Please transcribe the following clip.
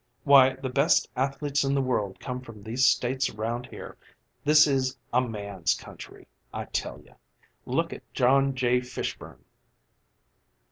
Why, the best athletes in the world come from these States round here. This is a man's country, I tell you. Look at John J. Fishburn!"